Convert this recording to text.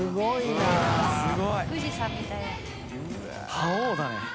覇王だね。